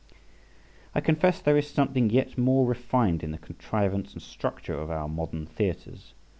I confess there is something yet more refined in the contrivance and structure of our modern theatres.